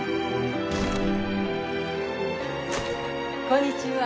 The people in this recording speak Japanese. こんにちは。